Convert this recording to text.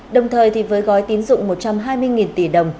đồng thời thì với gói tín dụng một trăm hai mươi tỷ đồng